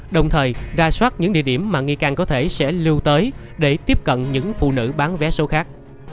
đồng thời ra soát những địa điểm mà nghi can có thể sẽ lưu tới để tiếp cận những phụ nữ bán vé số khác